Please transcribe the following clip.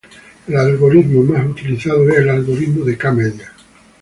El algoritmo más utilizado es el algoritmo de K-medias.